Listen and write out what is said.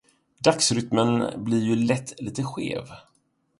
Dygnsrytmen blir ju lätt lite skev.